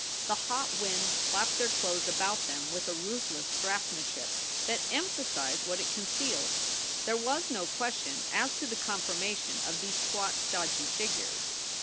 The hot wind flapped their clothes about them with a ruthless draftsmanship that emphasized what it concealed. There was no question as to the conformation of these squat, stodgy figures.